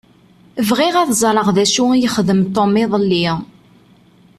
Bɣiɣ ad ẓṛeɣ d acu i yexdem Tom iḍelli.